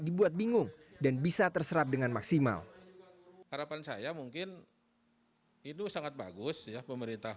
dibuat bingung dan bisa terserap dengan maksimal harapan saya mungkin itu sangat bagus ya pemerintah